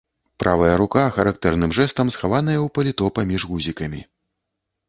Правая рука характэрным жэстам схаваная ў паліто паміж гузікамі.